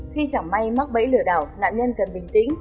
khi chẳng may mắc bẫy lừa đảo nạn nhân cần bình tĩnh